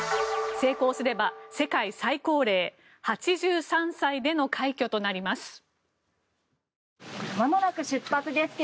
成功すれば世界最高齢８３歳での快挙となります。